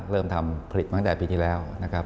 เริ่มทำผลิตมาตั้งแต่ปีที่แล้วนะครับ